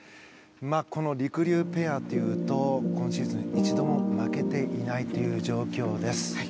この、りくりゅうペアというと今シーズン、一度も負けていないという状況です。